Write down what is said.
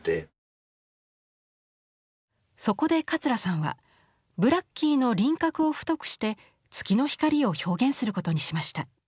そこで桂さんはブラッキーの輪郭を太くして月の光を表現することにしました。